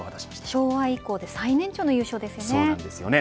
昭和以降で最年長の優勝ですね。